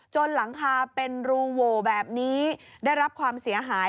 หลังคาเป็นรูโหวแบบนี้ได้รับความเสียหาย